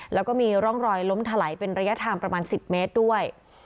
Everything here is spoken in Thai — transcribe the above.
แล้วก็มีร่องรอยล้มถลายเป็นระยะทางประมาณ๑๐เมตรด้วย